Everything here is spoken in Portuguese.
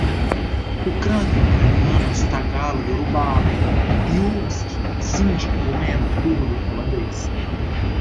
Ucraniana, ucranianas, tagalo, iorubá, usbque, sindi, romeno, curdo, holandês